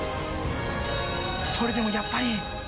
それでもやっぱり。